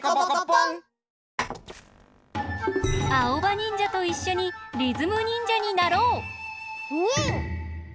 あおばにんじゃといっしょにリズムにんじゃになろう！にん！